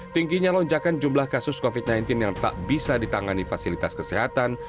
tingginya lonjakan jumlah kasus covid sembilan belas yang tak bisa ditangani fasilitas kesehatan